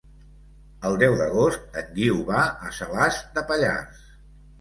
El deu d'agost en Guiu va a Salàs de Pallars.